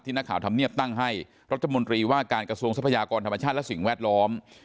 นักข่าวธรรมเนียบตั้งให้รัฐมนตรีว่าการกระทรวงทรัพยากรธรรมชาติและสิ่งแวดล้อม